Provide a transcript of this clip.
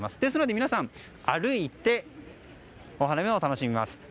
ですので、皆さん歩いてお花見を楽しみます。